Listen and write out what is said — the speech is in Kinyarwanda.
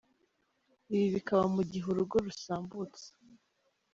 Ibi bikaba mu gihe urugo rusambutse.